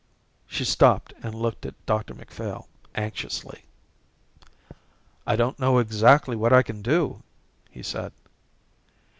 She stopped and looked at Dr Macphail anxiously. "I don't know exactly what I can do," he said.